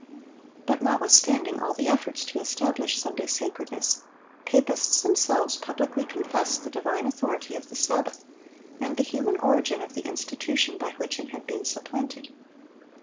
(1013) But notwithstanding all the efforts to establish Sunday sacredness, papists themselves publicly confessed the divine authority of the Sabbath, and the human origin of the institution by which it had been supplanted.